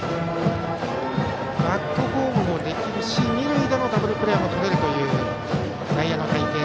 バックホームもできるし二塁でのダブルプレーもとれる内野の隊形。